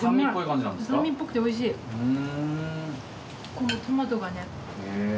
このトマトがね。